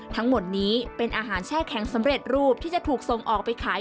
ทั้งหมดนี้เป็นอาหารแช่แข็งสำเร็จรูปที่จะถูกส่งออกไปขาย